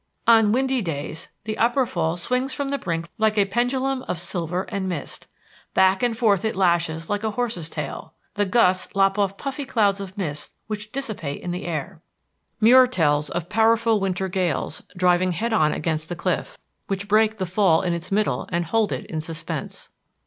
On windy days the Upper Fall swings from the brink like a pendulum of silver and mist. Back and forth it lashes like a horse's tail. The gusts lop off puffy clouds of mist which dissipate in air. Muir tells of powerful winter gales driving head on against the cliff, which break the fall in its middle and hold it in suspense.